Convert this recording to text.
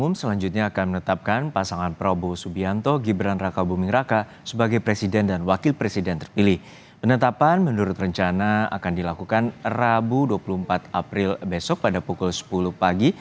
penetapan menurut rencana akan dilakukan rabu dua puluh empat april besok pada pukul sepuluh pagi